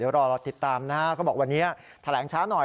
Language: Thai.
เดี๋ยวรอติดตามนะฮะเขาบอกวันนี้แถลงช้าหน่อย